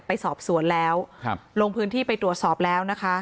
ไปสอบสวนแล้วครับลงพื้นที่ไปตรวจสอบแล้วนะคะ